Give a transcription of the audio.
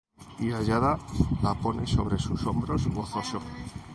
Y hallada, la pone sobre sus hombros gozoso;